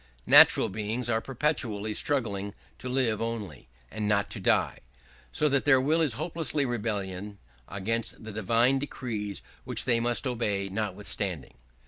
Natural beings are perpetually struggling to live only, and not to die; so that their will is in hopeless rebellion against the divine decrees which they must obey notwithstanding.